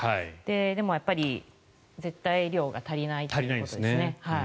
でも、やっぱり絶対量が足りないということですね。